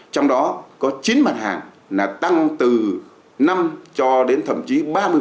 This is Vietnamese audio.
trong đó có chín mặt hàng là tăng từ năm cho đến thậm chí ba mươi